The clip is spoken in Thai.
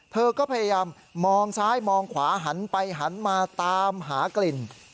เธอก็พยายามมองซ้ายมองขวาหันไปหันมาตามหากลิ่น